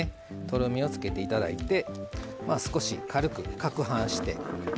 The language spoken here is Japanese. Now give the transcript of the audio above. とろみをつけて頂いて少し軽くかくはんして。